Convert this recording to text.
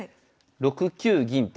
６九銀と。